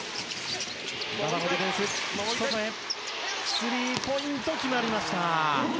スリーポイント決まりました。